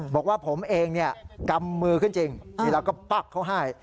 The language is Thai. บอกว่าผมเองกำมือขึ้นจริงแล้วก็ปั๊กเขาให้